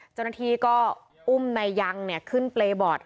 เจ้าหน้าที่ก็อุ้มนายยังขึ้นเปรย์บอร์ด